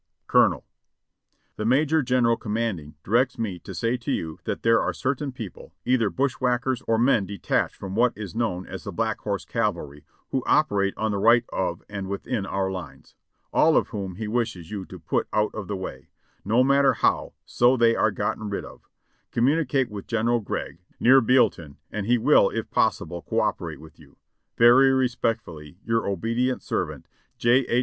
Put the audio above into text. "Colonel : "The Major General commanding directs me to say to you that there are certain people, either bushwhackers or men detached from what is known as the Black Horse Cavalry, who operate on the right of and within our lines. All of whom he wishes you to put out of the way — no matter how, so they are gotten rid of. Communicate wuth General Gregg, near Bealeton, and he will, if possible, co operate with you. ■'Verv respectfully, your obedient servant, "J. H.